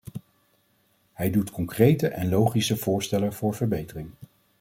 Hij doet concrete en logische voorstellen voor verbetering.